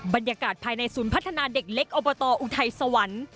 บรรยากาศภายในศูนย์พัฒนาเด็กเล็กอบตอุทัยสวรรค์